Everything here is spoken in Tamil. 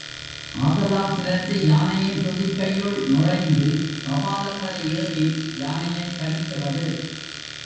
ஆதலால் சிலந்தி யானையின் துதிக்கையுள் நுழைந்து கபாலம் வரை ஏறி யானையைக் கடிக்கிறது.